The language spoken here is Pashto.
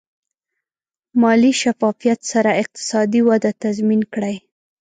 مالي شفافیت سره اقتصادي وده تضمین کړئ.